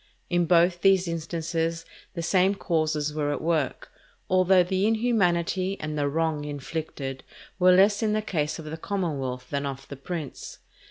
In both these instances the same causes were at work, although the inhumanity and the wrong inflicted were less in the case of the commonwealth than of the prince.